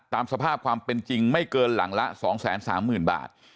ตามสภาพความเป็นจริงไม่เกินหลังละ๒๓๐๐๐บาท